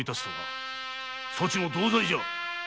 その方も同罪じゃ！